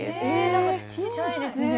何かちっちゃいですね。